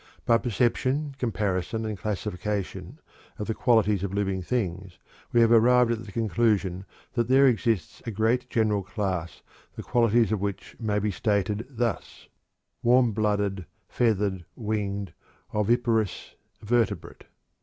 By perception, comparison, and classification of the qualities of living things we have arrived at the conclusion that there exists a great general class the qualities of which may be stated thus: "Warm blooded, feathered, winged, oviparous, vertebrate."